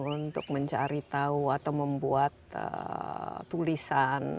untuk mencari tahu atau membuat tulisan